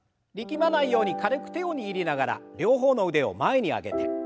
力まないように軽く手を握りながら両方の腕を前に上げて。